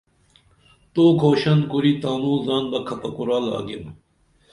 تو کُھوشن کُری تانو زان بہ کھپہ کُرال آگیم